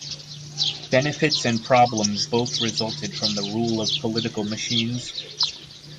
Benefits and problems both resulted from the rule of political machines.